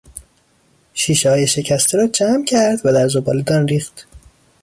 شیشههای شکسته را جمع کرد و در زباله دان ریخت.